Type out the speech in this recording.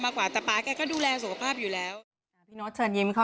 อยากไปโกรธเยอะ